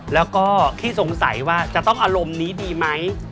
แล้วก็ขี้สงสัยว่าจะต้องอารมณ์นี้ดีไหม